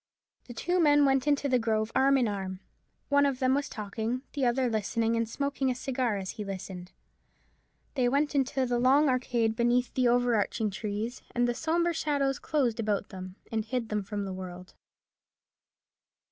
The two men went into the grove arm in arm. One of them was talking, the other listening, and smoking a cigar as he listened. They went into the long arcade beneath the over arching trees, and the sombre shadows closed about them and hid them from the world.